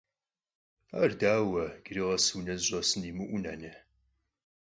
Ar daue, yicıri khes vune zış'esın yimı'eui, nane?